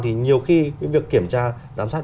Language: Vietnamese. thì nhiều khi cái việc kiểm tra giám sát